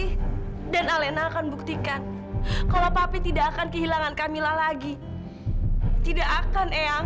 ini dan alena akan buktikan kalau papi tidak akan kehilangan kamila lagi tidak akan eyang